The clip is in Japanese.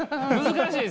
難しい。